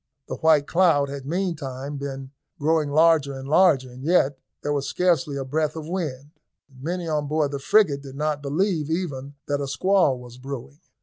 The white cloud had meantime been growing larger and larger, and yet there was scarcely a breath of wind. Many on board the frigate did not believe even that a squall was brewing.